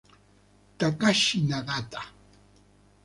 Takashi Nagata